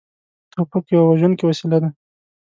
توپک یوه وژونکې وسلې ده.